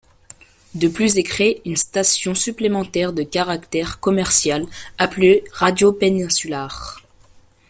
De plus est créée une station supplémentaire, de caractère commercial, appelée Radio Peninsular.